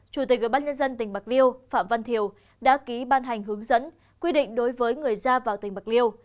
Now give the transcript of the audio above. chủ tịch ubnd tỉnh bạc liêu phạm văn thiều đã ký ban hành hướng dẫn quy định đối với người ra vào tỉnh bạc liêu